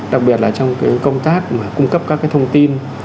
đặc biệt là trong công tác mà cung cấp các thông tin